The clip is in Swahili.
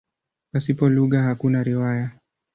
Pasipo lugha hakuna riwaya.